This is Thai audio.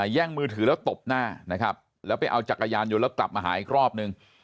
แย่งมือถือแล้วตบหน้านะครับแล้วไปเอาจักรยานยนต์แล้วกลับมาหาอีกรอบนึง